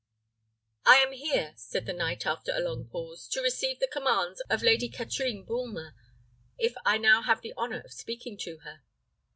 "I am here," said the knight, after a long pause, "to receive the commands of Lady Katrine Bulmer, if I have now the honour of speaking to her?"